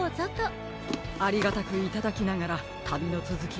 ありがたくいただきながらたびのつづきをたのしみましょうか。